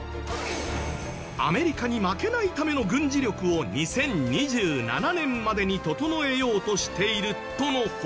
アメリカに負けないための軍事力を２０２７年までに整えようとしているとの報道も。